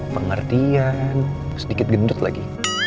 pengertian sedikit gendut lagi